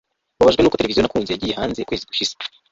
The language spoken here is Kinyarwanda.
mbabajwe nuko televiziyo nakunze yagiye hanze ukwezi gushize